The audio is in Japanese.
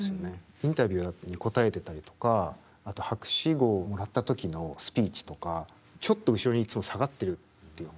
インタビューに答えてたりとかあと博士号をもらった時のスピーチとかちょっと後ろにいつも下がってるっていうか。